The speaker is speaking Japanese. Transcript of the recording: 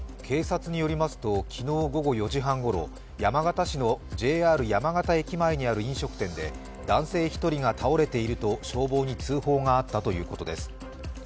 警察によりますと昨日午後４時半ごろ、山形市のＪＲ山形駅前にある飲食店で男性１人が倒れていると消防に通報があったということです。